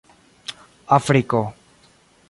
afriko